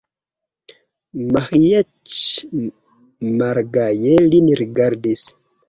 Miĥeiĉ malgaje lin rigardis.